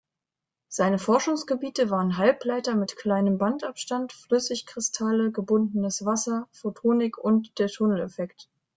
Seine Forschungsgebiete waren Halbleiter mit kleinem Bandabstand, Flüssigkristalle, gebundenes Wasser, Photonik und der Tunneleffekt.